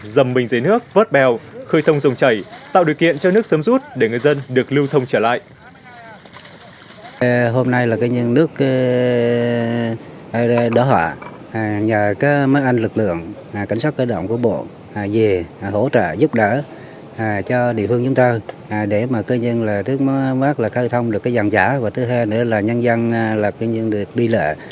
dầm mình dưới nước vớt bèo khơi thông dùng chảy tạo điều kiện cho nước sớm rút để người dân được lưu thông trở lại